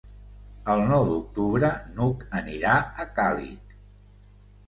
El nou d'octubre n'Hug anirà a Càlig.